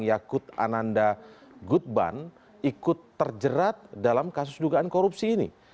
yakut ananda gutban ikut terjerat dalam kasus dugaan korupsi ini